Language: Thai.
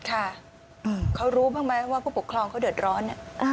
ค่ะเขารู้บ้างไหมว่าผู้ปกครองเขาเดือดร้อน